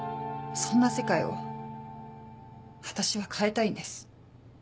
そんな世界を私は変えたいんです。